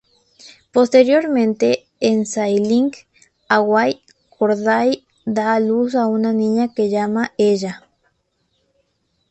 Posteriormente, en "Sailing Away", Corday da a luz a una niña que llaman Ella.